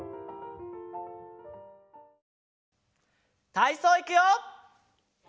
たいそういくよ！